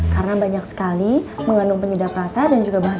karena banyak sekali mengandung penyedap rasa dan juga penyedapan